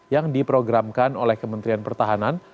yang diprogramkan oleh kementerian pertahanan